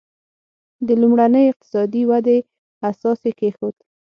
د لومړنۍ اقتصادي ودې اساس یې کېښود.